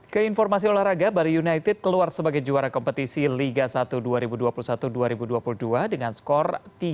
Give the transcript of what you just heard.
keinformasi olahraga bali united keluar sebagai juara kompetisi liga satu dua ribu dua puluh satu dua ribu dua puluh dua dengan skor tiga satu